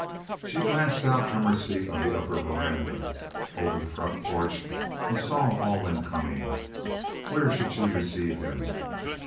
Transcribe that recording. She glanced out from her seat on the upper verandah over the front porch and saw Alwyn coming. Where should she receive him?